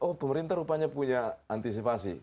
oh pemerintah rupanya punya antisipasi